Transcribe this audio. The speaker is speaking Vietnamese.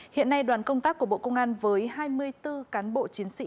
hiện nay đoàn công tác của bộ công an với hai mươi bốn cán bộ chiến sĩ